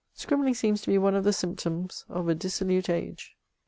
Scribbling seems to be one of the symptoms of a dissolute age."